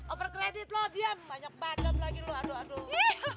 over credit lo dia banyak bajet lagi lo aduh aduh